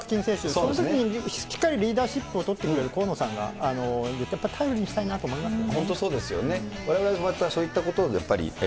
そのときにしっかりリーダーシップを取ってくれる河野さんが、やっぱり頼りにしたいなと思いますよね。